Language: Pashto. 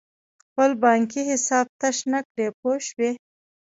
خپل بانکي حساب تش نه کړې پوه شوې!.